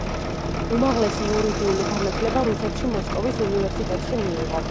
უმაღლესი იურიდიული განათლება რუსეთში, მოსკოვის უნივერსიტეტში მიიღო.